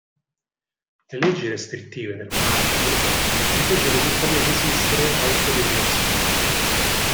Le leggi restrittive del monarca borbonico li fecero tuttavia desistere da ulteriori azioni.